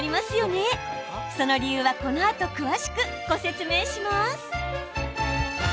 その理由はこのあと詳しくご説明します。